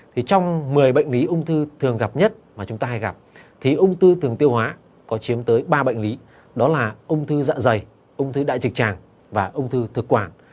thì trong một mươi bệnh lý ung thư thường gặp nhất mà chúng ta hay gặp thì ung tư tường tiêu hóa có chiếm tới ba bệnh lý đó là ung thư dạ dày ung thư đại trực tràng và ung thư thực quản